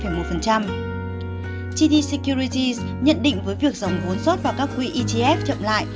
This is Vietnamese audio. gd securities nhận định với việc dòng vốn sốt vào các quy etf chậm lại